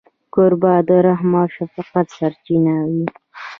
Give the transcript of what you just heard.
کوربه د رحم او شفقت سرچینه وي.